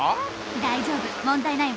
大丈夫問題ないわ。